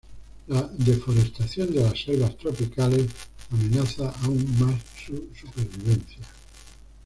La deforestación de las selvas tropicales amenaza aún más su supervivencia.